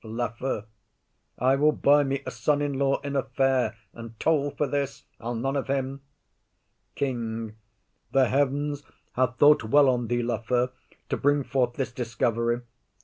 LAFEW. I will buy me a son in law in a fair, and toll for this. I'll none of him. KING. The heavens have thought well on thee, Lafew, To bring forth this discovery.